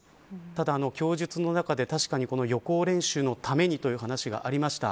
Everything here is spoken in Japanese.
ただ供述の中で、確かにこの予行練習のためにという話がありました。